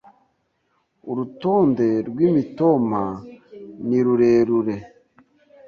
Urutonde rw’imitoma ni rurerure